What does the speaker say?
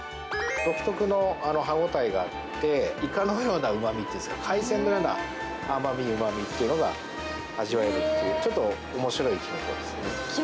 独特の歯応えがあってイカのようなうま味というか海鮮のような甘味、うま味ってのが味わえるちょっと面白いキノコですね。